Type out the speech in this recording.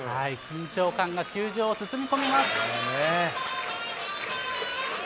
緊張感が球場を包み込みます。